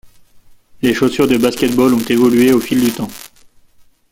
Les chaussures de basket-ball ont évolué au fil du temps.